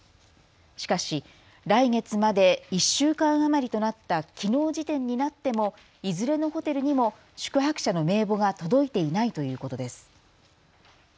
しかし来月まで１週間余りとなったきのう時点になってもいずれのホテルにも宿泊者の名簿が届いていないということです。